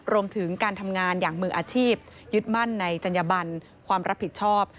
รวมถึงการทำงานอย่างมืออาชีพยึดมั่นในจัญญบันความรับผิดชอบ